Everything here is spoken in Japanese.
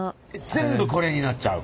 全部これになっちゃう？